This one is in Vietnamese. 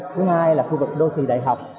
thứ hai là khu vực đô thị đại học